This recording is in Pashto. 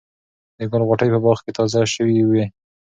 د ګل غوټۍ په باغ کې تازه شوې وې.